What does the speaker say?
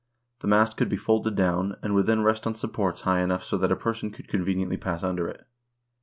The mast could be folded down, and would then rest on supports high enough so that a person could conveniently pass under it.